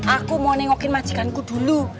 aku mau liat majikan ku dulu